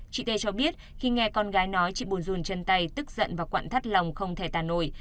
chị tê cho biết khi nghe con gái nói chị buồn ruồn chân tay tức giận và quặn thắt lòng không thể tàn nổi